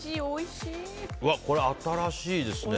これ新しいですね。